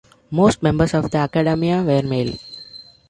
Most members of the Accademia were male.